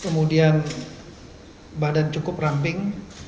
kemudian badan cukup ramping